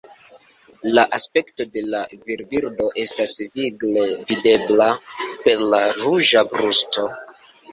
La aspekto de la virbirdo estas vigle videbla, per la ruĝa brusto.